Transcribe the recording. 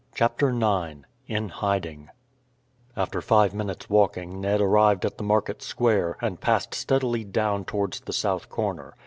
CHAPTER IX IN HIDING After five minutes' walking Ned arrived at the market square and passed steadily down towards the south corner.